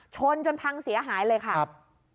ชนจนพังเสียหายเลยค่ะ